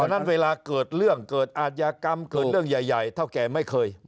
เพราะฉะนั้นเวลาเกิดเรื่องเกิดอาทยากรรมเกิดเรื่องใหญ่เท่าแก่ไม่เคย